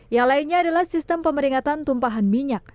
yang lainnya adalah sistem pemeringatan tumpahan minyak